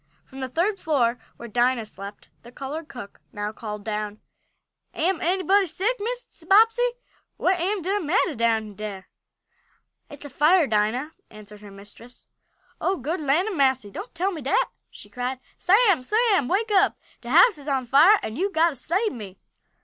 From the third floor, where Dinah slept, the colored cook now called down: "Am anybody sick, Mrs. Bobbsey? What am de mattah down dere?" "It's a fire, Dinah!" answered her mistress. "Oh good land a'massy! Don't tell me dat!" she cried. "Sam! Sam! Wake up. De house is on fire an' you'se got t' sabe me!"